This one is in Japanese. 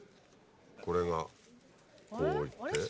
これがこういって。